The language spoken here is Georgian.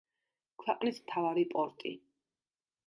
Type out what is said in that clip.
ქვეყნის მთავარი პორტი.